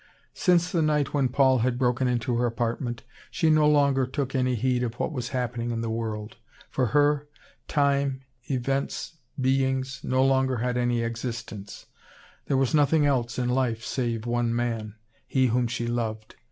Since the night when Paul had broken into her apartment, she no longer took any heed of what was happening in the world. For her, time, events, beings, no longer had any existence; there was nothing else in life save one man, he whom she loved.